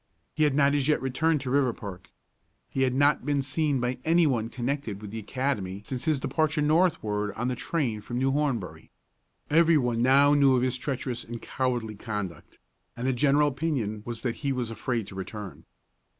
He had not as yet returned to Riverpark. He had not been seen by any one connected with the academy since his departure northward on the train from New Hornbury. Every one now knew of his treacherous and cowardly conduct, and the general opinion was that he was afraid to return.